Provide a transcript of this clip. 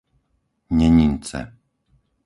Nenince